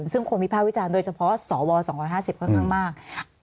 ซึ่งคนวิภาควิจารณ์โดยเฉพาะสว๒๕๐ค่อนข้างมาก